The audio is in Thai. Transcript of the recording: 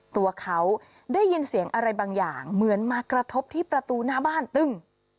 ตัวเขาได้ยินเสียงอะไรบางอย่างเหมือนมากระทบที่ประตูหน้าบ้านตึ้ง